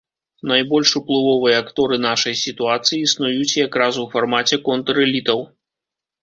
Найбольш уплывовыя акторы нашай сітуацыі існуюць як раз у фармаце контр-элітаў.